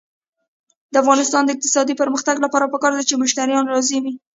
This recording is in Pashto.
د افغانستان د اقتصادي پرمختګ لپاره پکار ده چې مشتریان راضي وي.